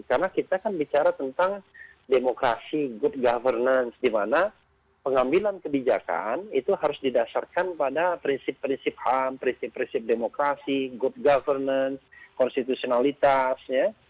karena kita kan bicara tentang demokrasi good governance di mana pengambilan kebijakan itu harus didasarkan pada prinsip prinsip ham prinsip prinsip demokrasi good governance konstitusionalitas